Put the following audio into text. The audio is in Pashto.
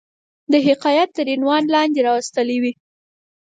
د حکایت تر عنوان لاندي را وستلې وي.